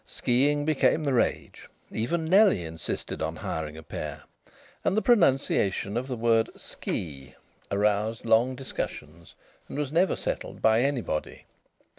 Ski ing became the rage. Even Nellie insisted on hiring a pair. And the pronunciation of the word "ski" aroused long discussions and was never definitely settled by anybody.